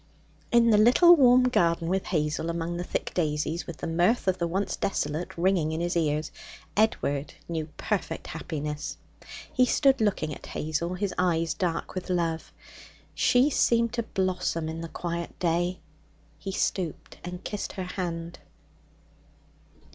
In the little warm garden with Hazel, among the thick daisies, with the mirth of the once desolate ringing in his ears, Edward knew perfect happiness. He stood looking at Hazel, his eyes dark with love. She seemed to blossom in the quiet day. He stooped and kissed her hand.